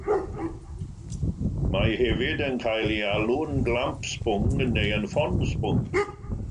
Mae hefyd yn cael ei alw yn glamp sbwng, neu yn ffon sbwng.